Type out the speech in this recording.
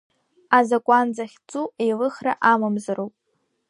Азакәан захьӡу еилыхра амамзароуп.